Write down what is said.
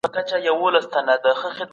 موږ د نباتي غوړیو تولید ته وده ورکړه.